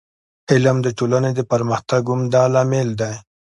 علم د ټولني د پرمختګ عمده لامل دی.